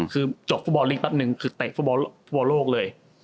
คือจบฟุตบอลลิกแป๊บนึงคือเตะฟุตบอลโลกเลย